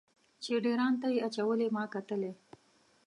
چې ډیر ان ته یې اچولې ما کتلی.